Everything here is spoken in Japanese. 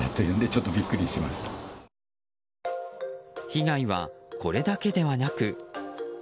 被害はこれだけではなく。